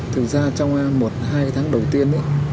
thực ra trong một hai tháng đầu tiên